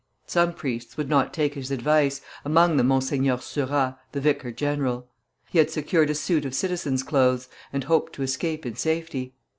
Some priests would not take his advice, among them Monseigneur Surat, the vicar general. He had secured a suit of citizen's clothes, and hoped to escape in safety.